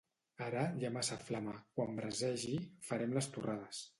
Ara hi ha massa flama: quan brasegi, farem les torrades.